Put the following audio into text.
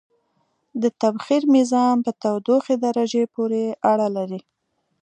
د تبخیر میزان په تودوخې درجې پورې اړه لري.